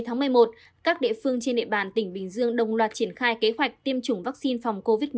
ngày một mươi một các địa phương trên địa bàn tỉnh bình dương đồng loạt triển khai kế hoạch tiêm chủng vaccine phòng covid một mươi chín